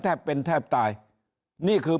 ถ้าท่านผู้ชมติดตามข่าวสาร